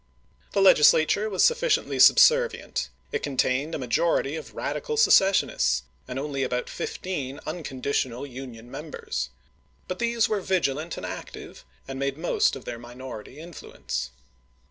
The Legislature was sufficiently subservient ; it contained a majority of radical secessionists, and only about fifteen uncon ditional Union members, but these were vigilant and active, and made the most of their minority influence.